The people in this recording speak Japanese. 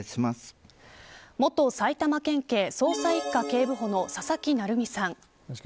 元埼玉県警捜査一課警部補の佐々木成三さん。